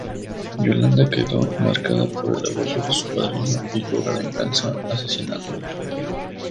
Yolanda quedó marcada por el abuso de su padrino y cobra venganza asesinándolo.